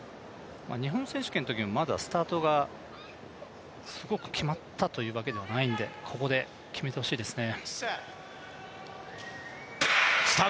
日本選手権のときもまだスタートがすごく決まったというわけではないのでここで決めてほしいですね。